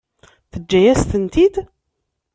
Teǧǧa-yas-tent-id?